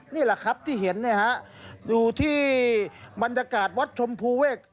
นี่แหละครับที่เห็นอยู่ที่บรรยากาศวัดชมพูเวก